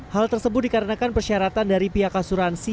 hal tersebut dikarenakan persyaratan dari pihak asuransi